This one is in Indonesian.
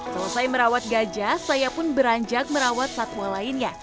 selesai merawat gajah saya pun beranjak merawat satwa lainnya